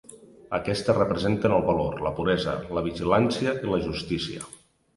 Aquestes representen el valor, la puresa, la vigilància, i la justícia.